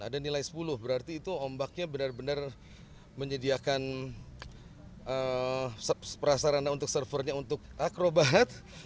ada nilai sepuluh berarti itu ombaknya benar benar menyediakan prasarana untuk servernya untuk akrobat